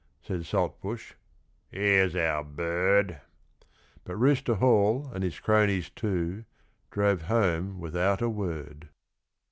Said Saltbush, 'Here's our bird!' But Rooster Hall, and his cronies two, drove home without a word.